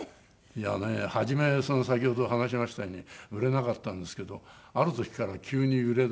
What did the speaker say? いやね初め先ほど話しましたように売れなかったんですけどある時から急に売れだして。